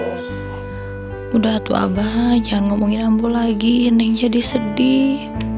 sudah tua abah jangan ngomongin ambo lagi neng jadi sedih